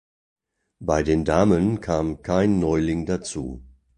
Bei den Damen kam kein „Neuling“ dazu.